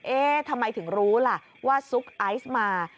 เอ๊ะทำไมถึงรู้ล่ะว่าซุกไอซ์มา